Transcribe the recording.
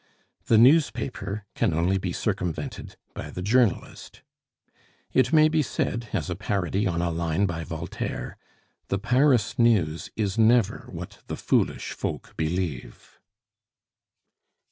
The newspaper can only be circumvented by the journalist. It may be said, as a parody on a line by Voltaire: "The Paris news is never what the foolish folk believe."